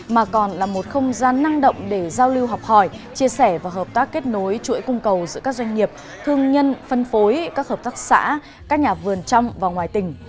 mà còn là một không gian năng động để giao lưu học hỏi chia sẻ và hợp tác kết nối chuỗi cung cầu giữa các doanh nghiệp thương nhân phân phối các hợp tác xã các nhà vườn trong và ngoài tỉnh